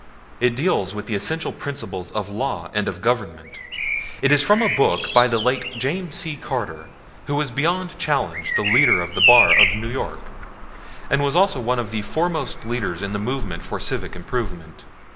It deals with the essential principles of law and of government. It is from a book by the late James C. Carter, who was beyond challenge the leader of the bar of New York, and was also one of the foremost leaders in movements for civic improvement.